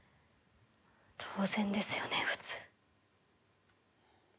当然ですよね、普通。